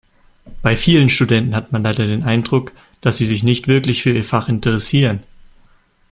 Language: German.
Bei vielen Studenten hat man leider den Eindruck, dass sie sich nicht wirklich für ihr Fach interessieren.